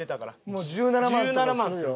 もう１７万とかするよ。